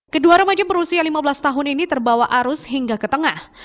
kedua remaja berusia lima belas tahun ini terbawa arus hingga ke tengah